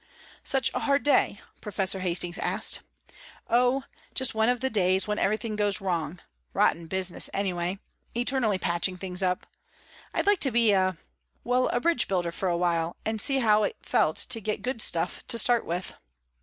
"Such a hard day?" Professor Hastings asked. "Oh just one of the days when everything goes wrong. Rotten business anyway. Eternally patching things up. I'd like to be a well, a bridge builder for awhile, and see how it felt to get good stuff to start with."